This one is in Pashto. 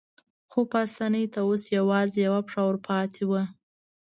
خو پاسیني ته اوس یوازې یوه پښه ورپاتې وه.